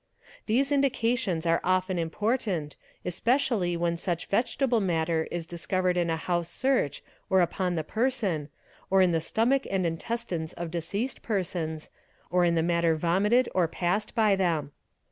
_ These indications are often important, especially when such vegetable ' matter is discovered in a house search or upon the person, or in the stomach and intestines of deceased persons, or in the matter vomited or ¥ passed by them.